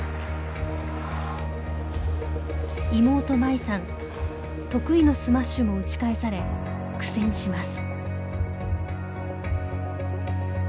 妹真衣さん得意のスマッシュも打ち返され苦戦します。